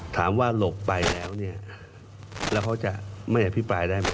หลบไปแล้วเนี่ยแล้วเขาจะไม่อภิปรายได้ไหม